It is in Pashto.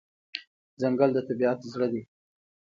ځنګل د طبیعت زړه دی.